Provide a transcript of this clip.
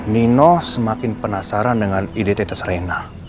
nino semakin penasaran dengan idt terserena